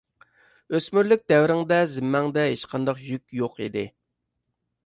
ئۆسمۈرلۈك دەۋرىڭدە زىممەڭدە ھېچقانداق يۈك يوق ئىدى.